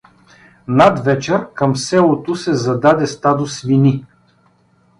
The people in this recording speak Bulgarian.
Надвечер към селото се зададе стадо свини.